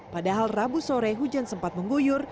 padahal rabu sore hujan sempat mengguyur